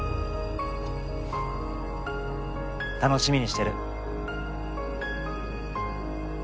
楽しみにしてる。